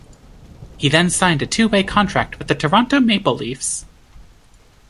He then signed a two-way contract with the Toronto Maple Leafs.